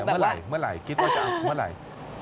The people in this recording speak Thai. เหรอเมื่อไหร่คิดว่าจะเมื่อไหร่